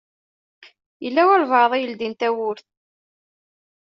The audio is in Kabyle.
Yella walebɛaḍ i yeldin tawwurt.